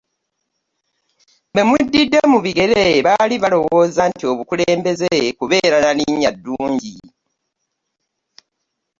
Be muddidde mu bigere, baali balowooza nti obukulembeze kubeera na linnya ddungi